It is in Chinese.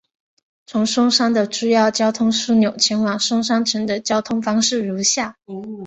从松山的主要交通枢纽前往松山城的交通方式如下。